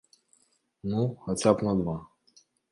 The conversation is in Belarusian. Ну, хаця б на два.